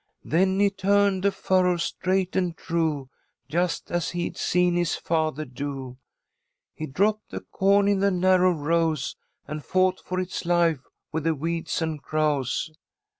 Then he turned the furrows, straight and true, Just as he'd seen his father do. He dropped the corn in the narrow rows, And fought for its life with the weeds and crows.